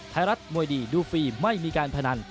ไทยรัฐมวยดีดูฟรีไม่มีการพนัน